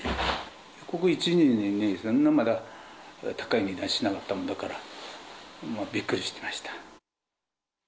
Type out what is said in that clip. ここ１年で高い値段しなかったものだから、びっくりしました。